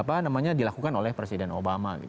itu dilakukan oleh presiden obama